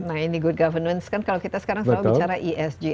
nah ini good governance kan kalau kita sekarang selalu bicara esg